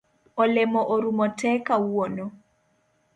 Olemo orumo tee kawuono.